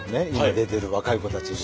出てる若い子たちに。